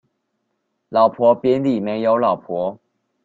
老婆餅裡沒有老婆